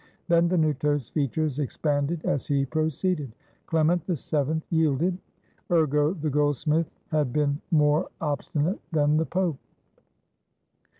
Benvenuto's features expanded as he proceeded. Clem ent VII yielded; ergo the goldsmith had been more obstinate than the Pope.